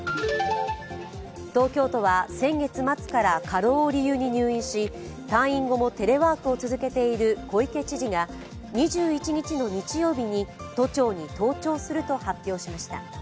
東京都は先月末から過労を理由入院し、退院後もテレワークを続けている小池知事が２１日の日曜日に都庁に登庁すると発表しました。